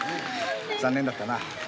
残念だったな。